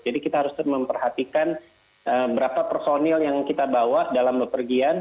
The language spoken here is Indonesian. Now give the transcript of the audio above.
jadi kita harus memperhatikan berapa personil yang kita bawa dalam pergian